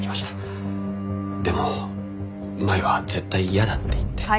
でも舞は絶対嫌だって言って。